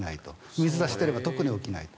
水出ししてれば特に起きないと。